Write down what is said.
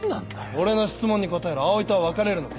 俺の質問に答えろ葵と別れるのか？